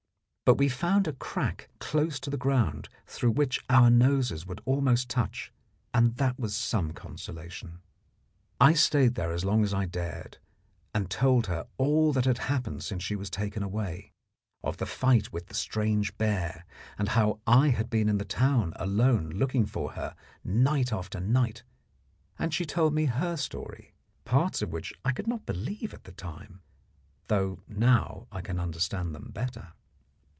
But we found a crack close to the ground through which our noses would almost touch, and that was some consolation. I stayed there as long as I dared, and told her all that had happened since she was taken away of the fight with the strange bear, and how I had been in the town alone looking for her night after night; and she told me her story, parts of which I could not believe at the time, though now I can understand them better.